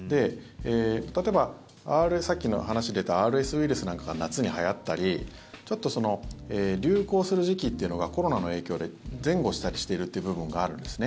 例えば、さっきの話で出たＲＳウイルスなんかが夏にはやったりちょっと流行する時期というのがコロナの影響で前後したりしているという部分があるんですね。